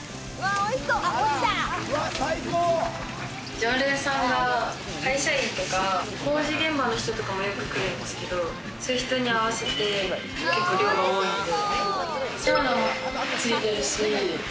常連さんが会社員とか、工事現場の人とかもよく来るんですけど、そういう人に合わせて量が多いんで。